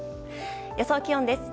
予想気温です。